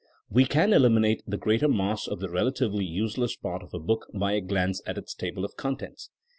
We can eliminate the greater mass of the rela tively useless part of a book by a glance at its table of contents.